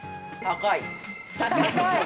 高い。